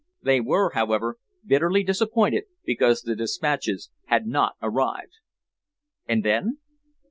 They were, however, bitterly disappointed because the despatches had not arrived." "And then?"